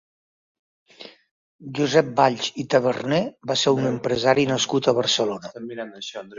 Josep Valls i Taberner va ser un empresari nascut a Barcelona.